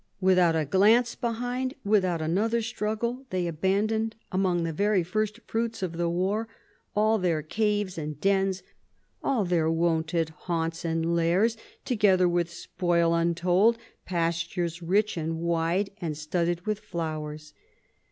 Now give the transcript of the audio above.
Without a glance behind, without another struggle, they abandoned, among the very first fruits of the war, all their caves and dens, all their wonted haunts and lairs, together with spoil untold, pastures rich and wide and studded with flowers.